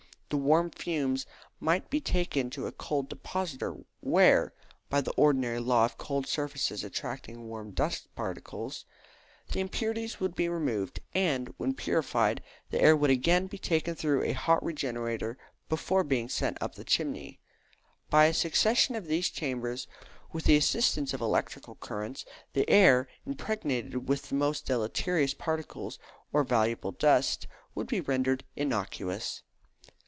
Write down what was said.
The warm fumes might be taken to a cold depositor, where (by the ordinary law of cold surfaces attracting warm dust particles) the impurities would be removed, and, when purified, the air would again be taken through a hot regenerator before being sent up the chimney. By a succession of these chambers, with the assistance of electric currents, the air, impregnated with the most deleterious particles, or valuable dust, could be rendered innocuous.